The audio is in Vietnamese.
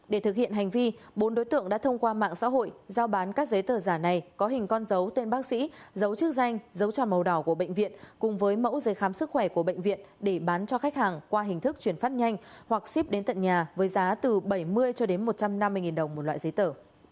để thực hiện hành vi bốn đối tượng đã thông qua mạng xã hội giao bán các giấy tờ giả này có hình con dấu tên bác sĩ dấu chức danh dấu trò màu đỏ của bệnh viện cùng với mẫu giấy khám sức khỏe của bệnh viện để bán cho khách hàng qua hình thức chuyển phát nhanh hoặc ship đến tận nhà với giá từ bảy mươi cho đến một trăm năm mươi đồng một loại giấy tờ